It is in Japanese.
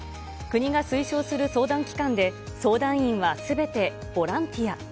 国が推奨する相談機関で相談員はすべてボランティア。